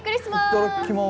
いっただっきます。